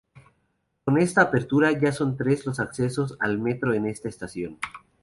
Con esta apertura, ya son tres los accesos al metro en esta estación.